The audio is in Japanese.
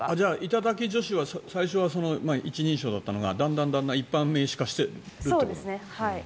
頂き女子は最初は一人称だったのがだんだん一般名詞化していると。